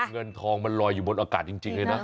เงินทองมันลอยอยู่บนอากาศจริงเลยนะ